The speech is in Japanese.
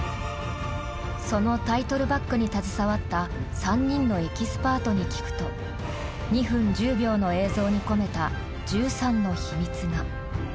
そのタイトルバックに携わった３人のエキスパートに聞くと２分１０秒の映像に込めた１３の秘密が。